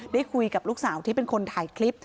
ได้คุยกับลูกสาวที่เป็นคนถ่ายคลิป